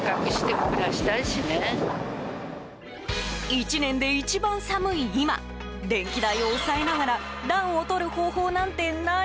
１年で一番寒い今電気代を抑えながら暖をとる方法なんてない？